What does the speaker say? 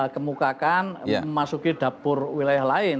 kemukakan memasuki dapur wilayah lain